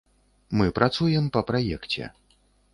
Мы працуем па праекце.